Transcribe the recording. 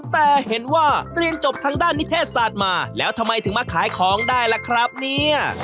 แต่เห็นว่าเรียนจบทางด้านนิเทศศาสตร์มาแล้วทำไมถึงมาขายของได้ล่ะครับเนี่ย